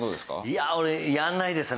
いや俺やらないですね。